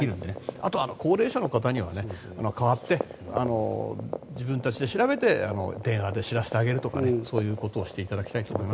あとは、高齢者の方に代わって自分たちで調べて電話で知らせてあげるとかをしていただきたいと思います。